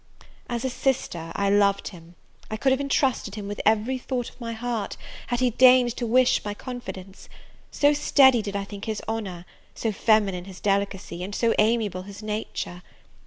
As a sister I loved him; I could have entrusted him with every thought of my heart, had he deigned to wish my confidence: so steady did I think his honour, so feminine his delicacy, and so amiable his nature!